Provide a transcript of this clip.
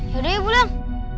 yaudah yuk pulang